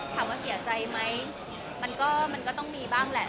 ถามว่าเสียใจไหมมันก็ต้องมีบ้างแหละ